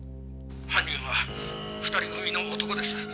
「犯人は２人組の男です」